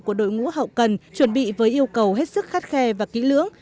của đội ngũ hậu cần chuẩn bị với yêu cầu hết sức khắt khe và kỹ lưỡng